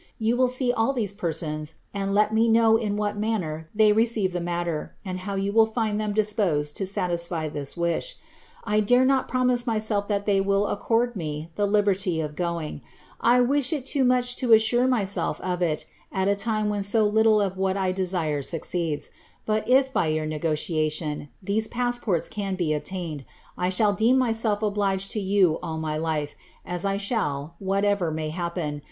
Yon will see all these persons, and let me know in what manner they receife the matter, and how you find them disposed to satisfy this wish. I dare not promise myself that they will accord me the liberty of going; I wish it too modi to assure myself of it at a time when so liiile of what I desire succeeds; botiC by your negotiation, these passports can be obtained, I shall deem myaelf obliged to you all my life, as I shall, (whaK*ver may happen.)